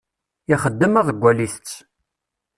Ixeddem aḍeggal itett.